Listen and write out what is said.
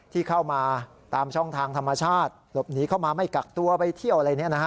ที่เข้ามาตามช่องทางธรรมชาติหลบหนีเข้ามาไม่กักตัวไปเที่ยวอะไร